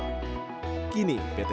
kini pt freeport indonesia mengeksplorasi